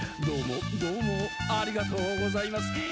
「どうもどうもありがとうございます」